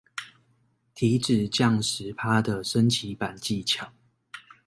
體脂降十趴的升級版技巧